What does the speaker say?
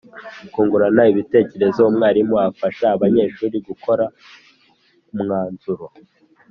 kungurana ibitekerezo umwarimu afasha abanyeshuri gukora umwanzuro